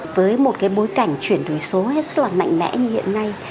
với một cái bối cảnh chuyển đổi số rất là mạnh mẽ như hiện nay